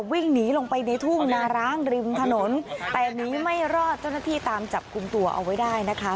วิ่งหนีลงไปในทุ่งนาร้างริมถนนแต่หนีไม่รอดเจ้าหน้าที่ตามจับกลุ่มตัวเอาไว้ได้นะคะ